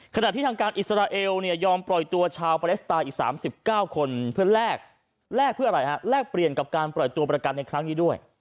ขณะที่ทางการอิสราเอลยอมปล่อยตัวชาวปาเลสตาอีก๓๙คนเพื่อแลกเปลี่ยนกับการปล่อยตัวประกันในครั้งนี้ด้วย